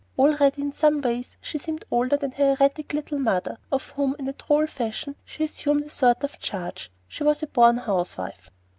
Already, in some ways she seemed older than her erratic little mother, of whom, in a droll fashion, she assumed a sort of charge. She was a born housewife.